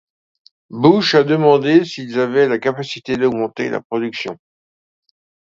Bush a demandé s'ils avaient la capacité d'augmenter la production.